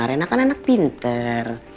rena kan anak pinter